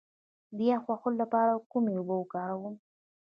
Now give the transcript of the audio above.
د یخ وهلو لپاره کومې اوبه وکاروم؟